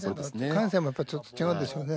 感性もちょっと違うんでしょうね